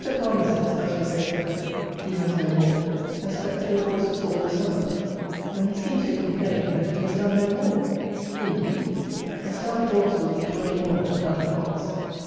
Palmer says, that his acre (he has no more) has kept two horses all the summer; and he seems to complain, that it has done no more. Indeed! A stout horse will eat much more than a fatting ox.